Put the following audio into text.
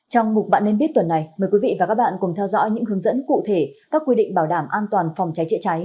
trong mục bạn nên biết tuần này mời quý vị và các bạn cùng theo dõi những hướng dẫn cụ thể các quy định bảo đảm an toàn vòng trái hãy trái